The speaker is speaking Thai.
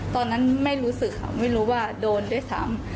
ตอนนั้นไม่รู้สึกค่ะไม่รู้ว่าโดนด้วยซ้ำ